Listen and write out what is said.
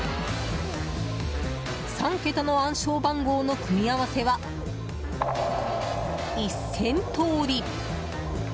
３桁の暗証番号の組み合わせは１０００通り。